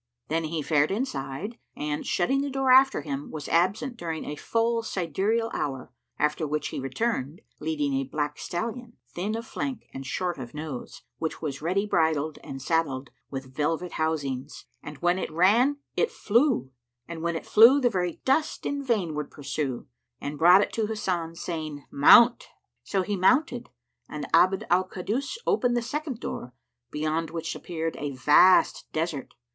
Then he fared inside and, shutting the door after him, was absent during a full sidereal hour, after which he returned, leading a black stallion, thin of flank and short of nose, which was ready bridled and saddled, with velvet housings; and when it ran it flew, and when it flew, the very dust in vain would pursue; and brought it to Hasan, saying, "Mount!" So he mounted and Abd al Kaddus opened the second door, beyond which appeared a vast desert.